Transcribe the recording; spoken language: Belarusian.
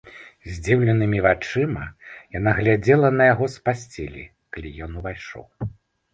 Здзіўленымі вачыма яна глядзела на яго з пасцелі, калі ён увайшоў.